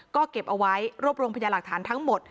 ก็เก็บเอาไว้รวบรวมพยาหลักฐานทั้งหมด